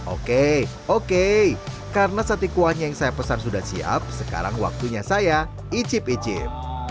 oke oke karena sate kuahnya yang saya pesan sudah siap sekarang waktunya saya icip icip